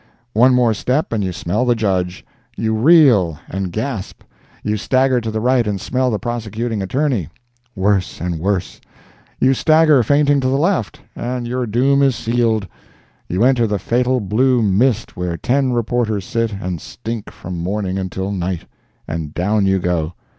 One more step, and you smell the Judge; you reel, and gasp; you stagger to the right and smell the Prosecuting Attorney—worse and worse; you stagger fainting to the left, and your doom is sealed; you enter the fatal blue mist where ten reporters sit and stink from morning until night—and down you go!